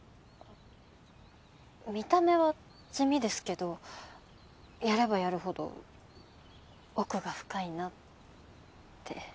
あっ見た目は地味ですけどやればやるほど奥が深いなって。